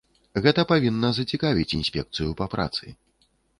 Гэта павінна зацікавіць інспекцыю па працы.